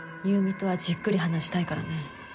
優美とはじっくり話したいからね。